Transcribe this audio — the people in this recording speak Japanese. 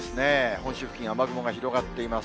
本州付近、雨雲が広がっています。